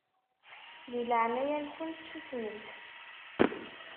Di leɛnaya-nkent susmemt.